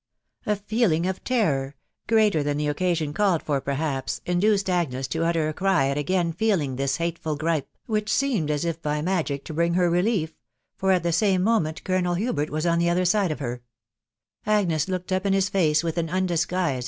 A feeling of terror, greater than the occasion called fbvtp«r > haps, induced Agnes to utter a cry at again feeling, tiiisvfcateftdl gripe, which seemed as if by magic to bring bar relief, fojrr aft the same moment Colonel Hubert was on the other aide aft Iter* Agnes looked up in his face with an undisgnlsed.